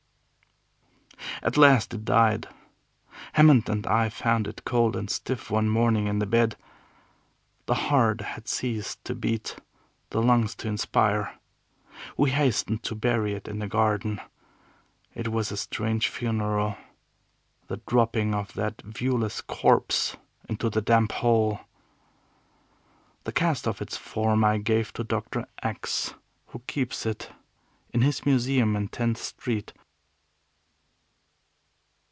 At last it died. Hammond and I found it cold and stiff one morning in the bed. The heart had ceased to beat, the lungs to inspire. We hastened to bury it in the garden. It was a strange funeral, the dropping of that viewless corpse into the damp hole. The cast of its form I gave to Doctor X , who keeps it in his museum in Tenth Street.